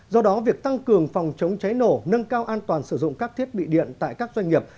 do đó việc tăng cường phòng chống cháy nổ nâng cao an toàn sử dụng các thiết bị điện tại các doanh nghiệp